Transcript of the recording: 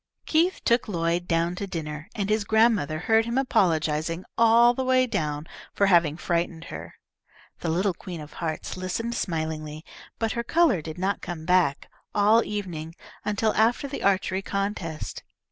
Keith took Lloyd down to dinner, and his grandmother heard him apologising all the way down for having frightened her. The little Queen of Hearts listened smilingly, but her colour did not come back all evening, until after the archery contest.